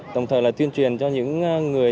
đồng thời là tuyên truyền cho những người